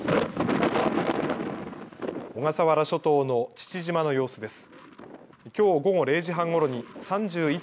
小笠原諸島の父島の様子です。